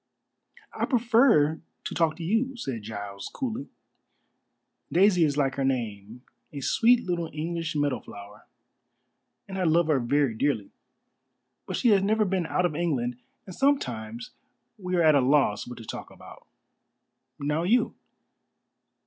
"I prefer to talk to you," said Giles coolly. "Daisy is like her name a sweet little English meadow flower and I love her very dearly. But she has never been out of England, and sometimes we are at a loss what to talk about. Now you?"